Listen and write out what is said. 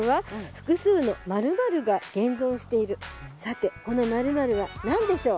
さてこの○○はなんでしょう？